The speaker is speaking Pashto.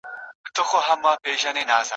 د هغه سیندګي پر غاړه بیا هغه سپوږمۍ خپره وای